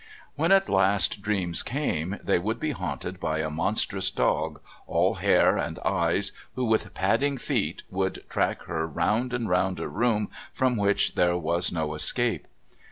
When at last dreams came they would be haunted by a monstrous dog, all hair and eyes, who, with padding feet, would track her round and round a room from which there was no escape.